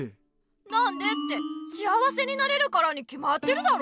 なんでって幸せになれるからにきまってるだろ。